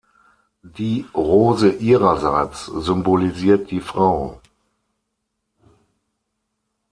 Die Rose ihrerseits symbolisiert die Frau.